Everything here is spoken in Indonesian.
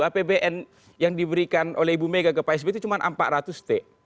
apbn yang diberikan oleh ibu mega ke pak sby itu cuma empat ratus t